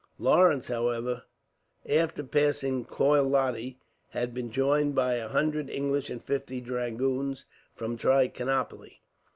Lawrence, however, after passing Koiladi, had been joined by a hundred English and fifty dragoons, from Trichinopoli.